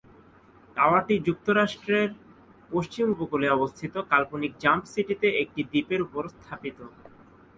টাওয়ারটি যুক্তরাষ্ট্রের পশ্চিম উপকূলে অবস্থিত কাল্পনিক জাম্প সিটিতে একটি দ্বীপের ওপর স্থাপিত।